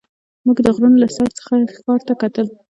موږ د غرونو له سر څخه ښار ته کتل.